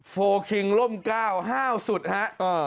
โฟล์คิงร่มกล้าวห้าวสุดครับ